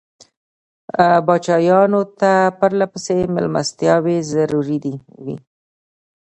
پاچایانو ته پرله پسې مېلمستیاوې ضروري وې.